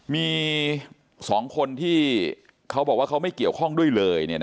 มี๒คนที่เขาบอกว่าเขาไม่เกี่ยวข้องด้วยเลย